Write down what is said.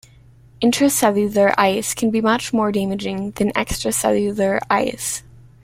Intracellular ice can be much more damaging than extracellular ice.